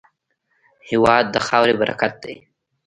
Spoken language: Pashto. هېواد د خاورې برکت دی.